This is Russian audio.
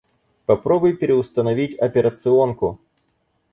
Попробуй переустановить операционку.